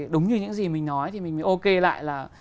đúng như những gì mình nói thì mình mới ok lại là